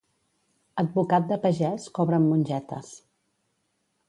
Advocat de pagès, cobra amb mongetes.